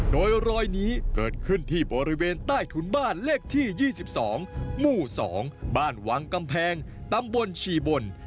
โดยรอยนี้เกิดขึ้นที่บริเวณใต้ถุนบ้านเลขที่๒๒หมู่๒บ้านวังกำแพงตำบลชีบน